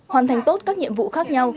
hoàn thành tốt các nhiệm vụ khác nhau